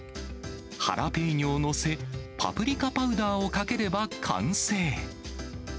ハラペーニョを載せ、パプリカパウダーをかければ完成。